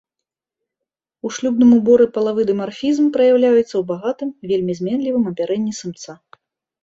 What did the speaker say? У шлюбным уборы палавы дымарфізм праяўляецца ў багатым, вельмі зменлівым апярэнні самца.